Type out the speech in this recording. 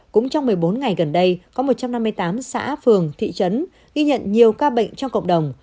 cũng trong một mươi bốn ngày gần đây có một trăm năm mươi tám xã phường thị trấn ghi nhận nhiều ca bệnh trong cộng đồng